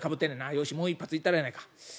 よしもう一発いったろうやないか。